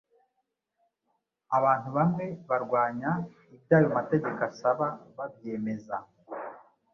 abantu bamwe barwanya ibyo ayo mategeko asaba babyemeza.